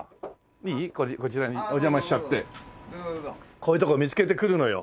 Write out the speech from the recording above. こういう所見つけて来るのよ。